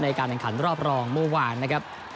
ในการแข่งขันรอบรองเมื่อวานนะครับ